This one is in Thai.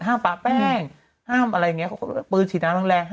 ห้ามปั๊ะแป้งห้ามอะไรอย่างนี้บ้าปืนฉีดน้ำร่างแรง